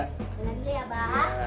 selamat tinggal ya abah